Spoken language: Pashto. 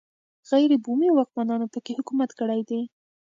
غیر بومي واکمنانو په کې حکومت کړی دی.